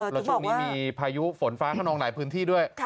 แล้วช่วงนี้มีพายุฝนฟ้าขนองหลายพื้นที่ด้วย